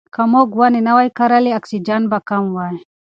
که موږ ونې نه وای کرلې اکسیجن به کم وای.